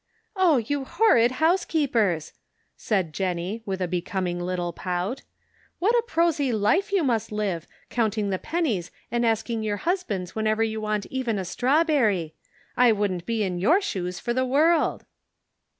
" Oh, you horrid housekeepers I " said Jen nie, with a becoming little pout. " What a prosy life you must live, counting the pennies Their Jewels. 37 and asking your husbands whenever you want even a strawberry ! I wouldn't be in your shoes for the world